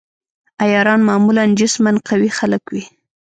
عیاران معمولاً جسماً قوي خلک وي.